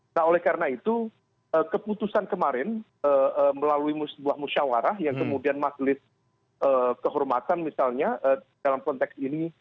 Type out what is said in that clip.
nah oleh karena itu keputusan kemarin melalui sebuah musyawarah yang kemudian majelis kehormatan misalnya dalam konteks ini